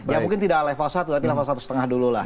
ya mungkin tidak level satu tapi level satu lima dulu lah